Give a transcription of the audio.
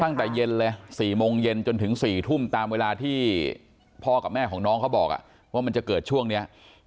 ตั้งแต่เย็นเลย๔โมงเย็นจนถึง๔ทุ่มตามเวลาที่พ่อกับแม่ของน้องเขาบอกว่ามันจะเกิดช่วงนี้